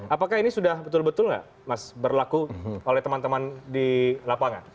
apakah ini sudah betul betul nggak mas berlaku oleh teman teman di lapangan